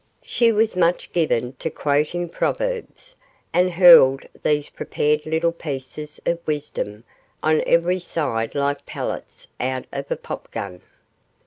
She was much given to quoting proverbs, and hurled these prepared little pieces of wisdom on every side like pellets out of a pop gun.